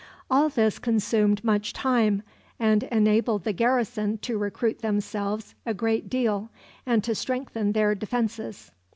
All this consumed much time, and enabled the garrison to recruit themselves a great deal and to strengthen their defenses.